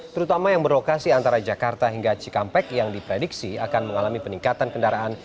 terutama yang berlokasi antara jakarta hingga cikampek yang diprediksi akan mengalami peningkatan kendaraan